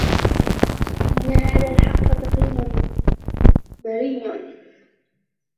إنَّ هَذَا الْحَقَّ ثَقِيلٌ مَرِيٌّ